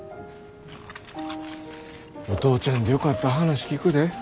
お父ちゃんでよかったら話聞くで。